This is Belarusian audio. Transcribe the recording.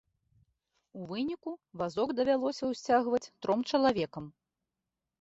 У выніку вазок давялося ўсцягваць тром чалавекам.